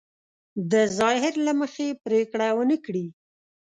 د ظاهر له مخې پرېکړه ونه کړي.